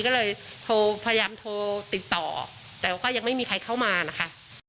ก็เลยโทรพยายามโทรติดต่อแต่ว่าก็ยังไม่มีใครเข้ามานะคะ